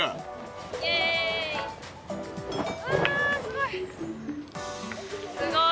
うわすごい！